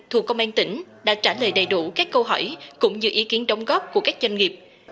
thuộc công an tỉnh đã trả lời đầy đủ các câu hỏi cũng như ý kiến đóng góp của các doanh nghiệp